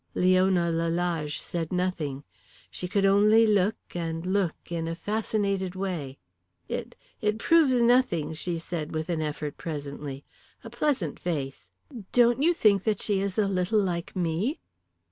Leona Lalage said nothing. She could only look and look in a fascinated way. "It it proves nothing," she said with an effort, presently. "A pleasant face. Don't you think that she is a little like me?"